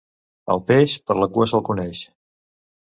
El peix, per la cua se'l coneix.